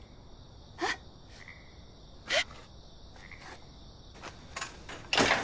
えっえっ？